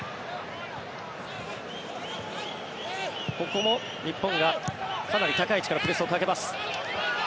ここも日本がかなり高い位置からプレスをかけます。